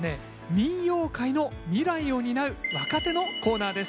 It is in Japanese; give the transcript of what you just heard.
民謡界の未来を担う若手のコーナーです。